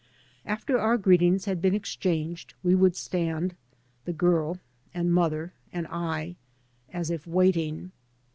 After our greetings had been exchanged we would stand, the girl and mother and I, as if waiting.